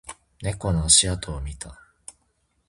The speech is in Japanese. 猫の足跡を見た